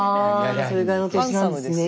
それぐらいのお年なんですね。